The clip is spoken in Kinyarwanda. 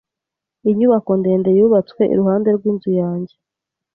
Inyubako ndende yubatswe iruhande rwinzu yanjye.